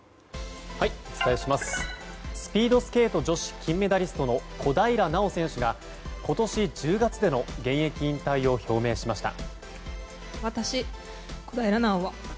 スピードスケート女子金メダリストの小平奈緒選手が今年１０月での現役引退を表明しました。